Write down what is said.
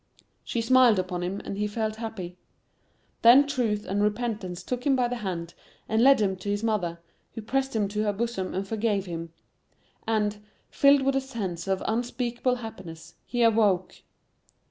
She smiled upon him and he felt happy. Then Truth and Repentance took him by the hand and led him to his mother, who pressed him to her bosom and forgave him,—and, filled with a sense of unspeakable happiness, he awoke!